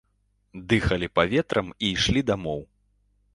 Дыхалі паветрам і ішлі дамоў.